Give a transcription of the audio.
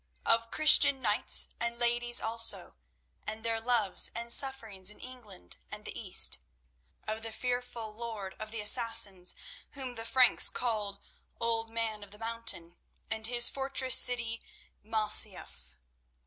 Of Christian knights and ladies also, and their loves and sufferings in England and the East; of the fearful lord of the Assassins whom the Franks called Old Man of the Mountain, and his fortress city, Masyaf.